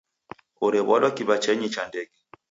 Orew'adwa kiw'achenyi cha ndege.